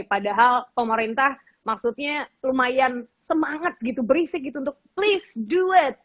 padahal pemerintah maksudnya lumayan semangat gitu berisik gitu untuk please duet